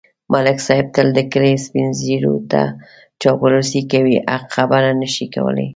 ملک صاحب تل د کلي سپېنږیروته چاپلوسي کوي. حق خبره نشي کولای.